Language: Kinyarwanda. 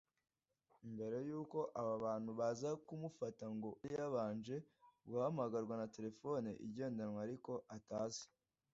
Mbere y’uko aba bantu baza kumufata ngo yari yabanje guhamagarwa na telefoni igendanwa ariko atazi